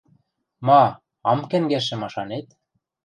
– Ма, ам кӓнгӓшӹ машанет?